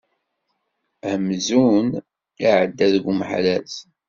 Amzun iεedda deg umehraz.